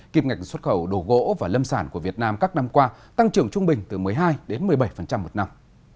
kịp ngạch xuất khẩu đồ gỗ và lâm sản của việt nam các năm qua tăng trưởng trung bình từ một mươi hai đến một mươi bảy một năm